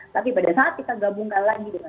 tapi pada saat kita gabungkan lagi dengan gaya hikmah